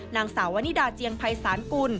นางสาววนิดาเจียงภัยศาลกุล